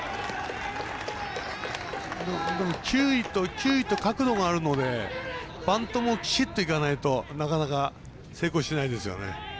球威と角度があるのでバントも、ぴしっといかないとなかなか成功しないですよね。